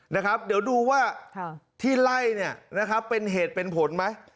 นะครับเดี๋ยวดูว่าที่ไล่เนี่ยนะครับเป็นเหตุเป็นผลไหม